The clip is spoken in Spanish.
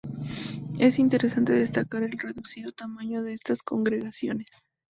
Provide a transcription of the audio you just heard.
Es interesante destacar el reducido tamaño de estas congregaciones.